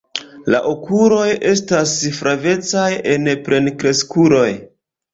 La okuloj estas flavecaj en plenkreskuloj.